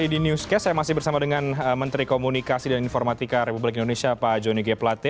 di newscast saya masih bersama dengan menteri komunikasi dan informatika republik indonesia pak joni g plate